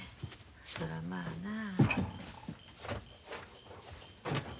そらまあなあ。